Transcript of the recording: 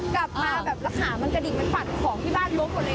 กลับมาแบบกระดิกไปฟันของที่บ้านโรคเดิมเลย